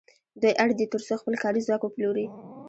دوی اړ دي تر څو خپل کاري ځواک وپلوري